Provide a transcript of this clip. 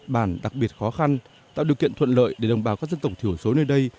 bản đặc biệt khó khăn tạo điều kiện thuận lợi để đồng bào các dân tộc thiểu số nơi đây